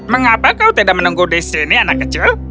mengapa kau tidak menunggu di sini anak kecil